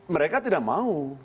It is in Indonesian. mereka tidak mau